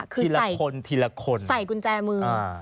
คือใส่กุญแจมือ